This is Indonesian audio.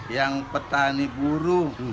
yang petani buru